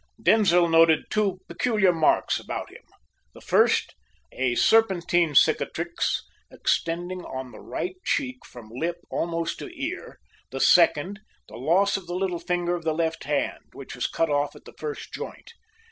Denzil noted two peculiar marks about him; the first, a serpentine cicatrice extending on the right cheek from lip almost to ear; the second, the loss of the little finger of the left hand, which was cut off at the first joint.